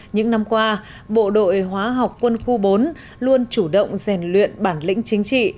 những năm qua bộ đội hóa học quân khu bốn luôn chủ động rèn luyện bản lĩnh chính trị